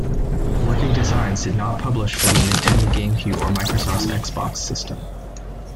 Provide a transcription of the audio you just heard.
Working Designs did not publish for the Nintendo GameCube or Microsoft's Xbox system.